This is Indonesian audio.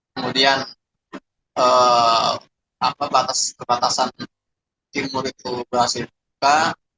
kemudian kebatasan timur itu berhasil buka